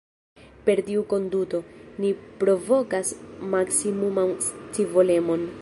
Per tiu konduto, ni provokas maksimuman scivolemon.